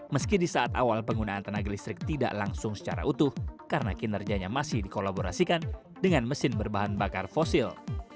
meski di saat awal penggunaan tenaga listrik tidak langsung secara utuh karena kinerjanya masih dikolaborasikan dengan mesin berbahan bakar fosil